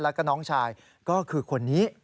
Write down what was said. แล้วก็น้องชายก็คือคนนี้